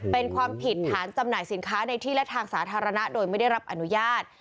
เป็นความผิดฐานจำหน่ายสินค้าในที่และทางสาธารณะโดยไม่ได้รับอนุญาต